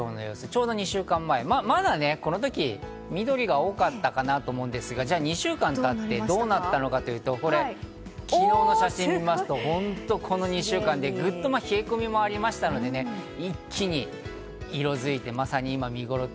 ちょうど２週間前、まだこのとき緑が多かったかなと思うんですが、２週間経ってどうなったかというと、昨日の写真を見ますと、この２週間でぐっと冷え込みもありましたので、一気に色づいて、まさに今見ごろ。